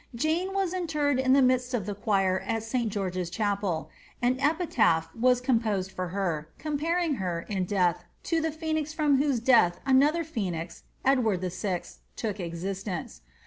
Jane was interred in the midst of the choir at St. George's chapel ; an epitaph was composed for her, comparing her, in death, to the phoenix from whose death another phoenix, Edward VI., took existence.